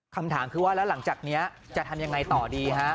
คำถามคือว่าแล้วหลังจากนี้จะทำยังไงต่อดีฮะ